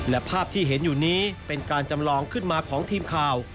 และภาพที่เห็นอยู่นี้เป็นการจำลองขึ้นมาของทีมข่าว